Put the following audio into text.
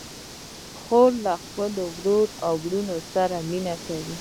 خور له خپلو وړو وروڼو سره مینه کوي.